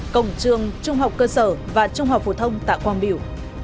cổng trường trung học cơ sở và trung học phổ thông tạ quang biểu